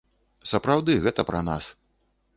Сапраўды, гэта пра нас.